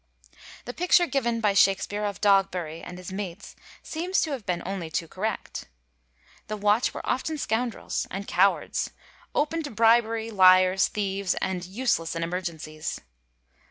The picture given by Shakspere of Dog berry and his mates seems to have been only too correct. The watch were often scoundrels, and cowards, open to bribery, liars, thieves, and useless in emergencies.